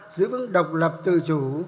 giữ vững độc lập tự chủ